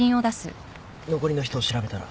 残りの人を調べたら。